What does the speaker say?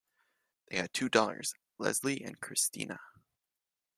They had two daughters, Leslie and Christina.